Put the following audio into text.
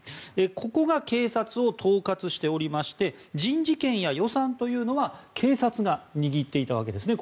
ここが警察を統括しておりまして人事権や予算というのは警察が握っていたわけですね。